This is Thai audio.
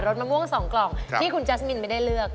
สมะม่วง๒กล่องที่คุณแจ๊สมินไม่ได้เลือก